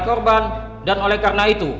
korban dan oleh karena itu